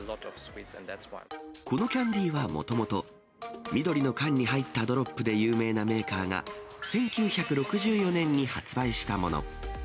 このキャンディはもともと緑の缶に入ったドロップで有名なメーカーが、１９６４年に発売したもの。